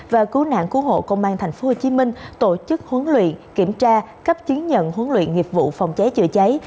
và cứu nạn cứu hộ công an tp hcm tổ chức huấn luyện kiểm tra cấp chứng nhận huấn luyện nghiệp vụ phòng cháy chữa cháy